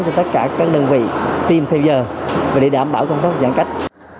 cho tất cả các đơn vị tiêm theo giờ để đảm bảo công tác giãn cách